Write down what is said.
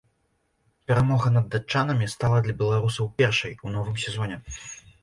Перамога над датчанамі стала для беларусаў першай у новым сезоне.